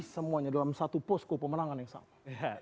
semuanya dalam satu posko pemenangan yang sama